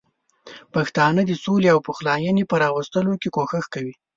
پښتانه د سولې او پخلاینې په راوستلو کې کوښښ کوي.